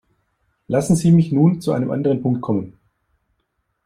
Lassen Sie mich nun zu einem anderen Punkt kommen.